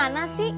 jahat gimana sih